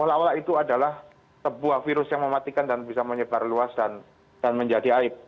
seolah olah itu adalah sebuah virus yang mematikan dan bisa menyebar luas dan menjadi aib